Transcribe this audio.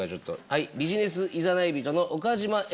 はいビジネス誘い人の岡島悦子さん